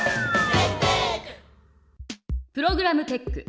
プログラムテック。